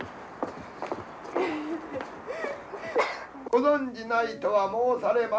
「ご存じないとは申されま